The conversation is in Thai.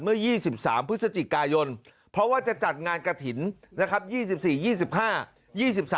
เมื่อ๒๓พฤศจิกายนเพราะว่าจะจัดงานกระถิ่นนะครับ